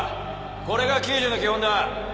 これが救助の基本だ。